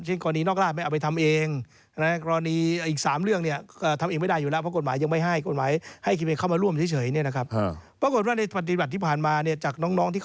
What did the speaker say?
หรือว่าสะท้อนในทางปฏิบัติเนี่ย